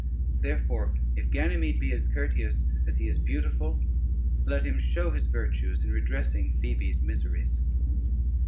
Therefore, if Ganymede be as courteous as he is beautiful, let him show his virtues in redressing Phoebe's miseries."